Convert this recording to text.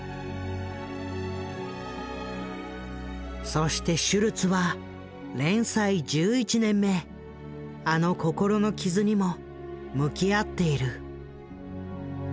そしてシュルツは連載１１年目あの心の傷にも向き合っている。